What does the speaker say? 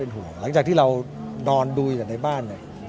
หลังจากที่เรานอนดูอยู่ในบ้านเนี่ย